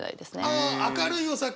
ああ明るいお酒！